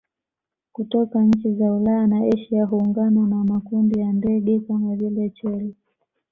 kutoka nchi za Ulaya na Asia huungana na makundi ya ndege kama vile chole